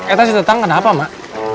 eh terserah tangan kenapa emak